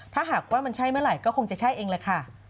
ถ้าหากว่ามันใช่เมื่อไหร่ก็คงจะใช่เองแหละค่ะ